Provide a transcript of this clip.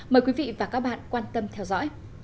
mời quý vị và các bạn quan tâm theo dõi